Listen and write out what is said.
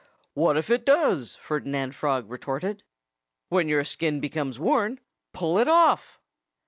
"What if it does?" Ferdinand Frog retorted. "When your skin becomes worn, pull it off!"